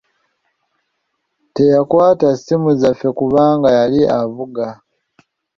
Teyakwata ssimu zaffe kubanga yali avuga.